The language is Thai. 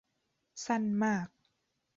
สั้นมาก